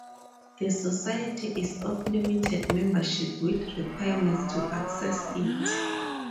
The society is of limited membership with requirements to access it.